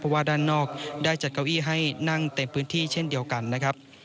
เพราะว่าด้านนอกได้จัดเก้าอี้ให้นั่งเต็มพื้นที่เช่นเดียวกันนะครับ